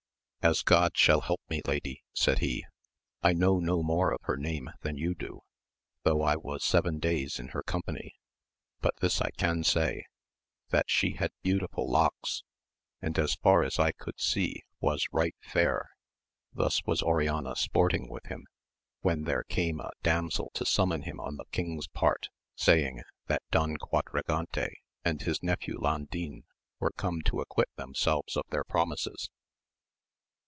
As God shall help me lady, said he, I know no more of her name than you do, though I was seven days in her company ; but this I can say, that she had beautiful locks, and as far as I could see was right fair. Thus was Oriana sporting with him, when there, came a damsel to summon him on the king's part, saying, That Don Quadragante and his nephew Landin were come to acquit themselves of their promises.